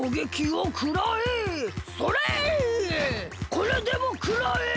これでもくらえ！